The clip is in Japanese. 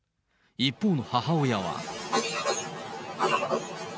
一方の母親は。